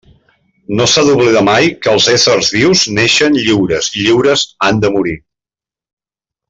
No s'ha d'oblidar mai que els éssers vius naixen lliures i lliures han de morir.